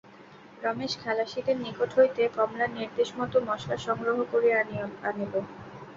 রমেশ খালাসিদের নিকট হইতে কমলার নির্দেশমত মসলা সংগ্রহ করিয়া আনিল।